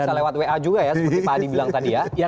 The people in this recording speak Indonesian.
seperti pak adi bilang tadi ya